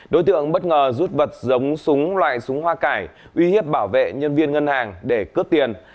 đối tượng bất ngờ rút vật giống súng loại súng hoa cải uy hiếp bảo vệ nhân viên ngân hàng để cướp tiền